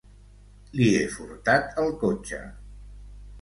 Li he furtat el cotxe.